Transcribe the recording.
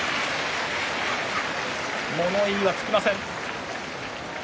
物言いはつきません。